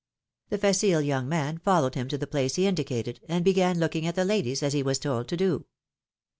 The facile young man followed him to the place he indicated, and began looking at the ladies as he was told to do.